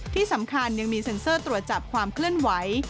ที่สำคัญยังมีเซ็นเซอร์ตรวจจับความเคลื่อนไหว